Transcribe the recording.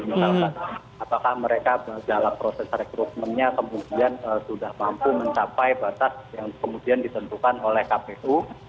misalkan apakah mereka dalam proses rekrutmennya kemudian sudah mampu mencapai batas yang kemudian ditentukan oleh kpu